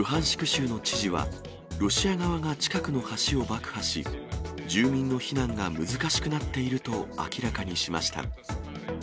州の知事は、ロシア側が近くの橋を爆破し、住民の避難が難しくなっていると明らかにしました。